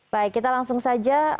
baik kita langsung saja